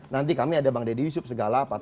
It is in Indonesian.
nanti kami ada bang deddy yusuf segala